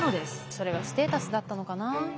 それがステータスだったのかな。